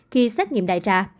khi xét nghiệm đại trà